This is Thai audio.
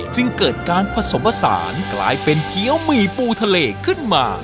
จึงเกิดการผสมผสานกลายเป็นเกี้ยวหมี่ปูทะเลขึ้นมา